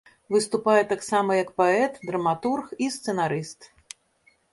Выступае таксама як паэт, драматург і сцэнарыст.